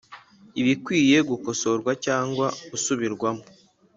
ibikwiye gukosorwa cyangwa gusubirwamo